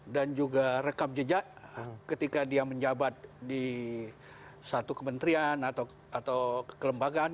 dan juga rekam jejak ketika dia menjabat di satu kementrian atau kekelembagaan